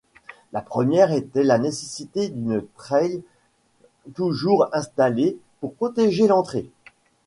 La première était la nécessité d'une treille toujours installée pour protéger l'entrée.